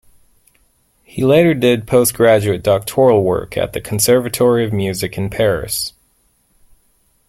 He later did post-graduate doctoral work at the Conservatory of Music in Paris.